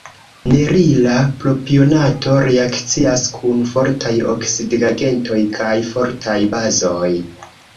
Nerila propionato reakcias kun fortaj oksidigagentoj kaj fortaj bazoj.